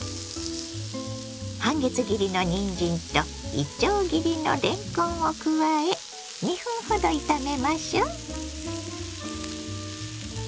半月切りのにんじんといちょう切りのれんこんを加え２分ほど炒めましょ。